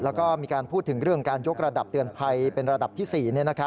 แล้วก็มีการพูดถึงเรื่องการยกระดับเตือนภัยเป็นระดับที่๔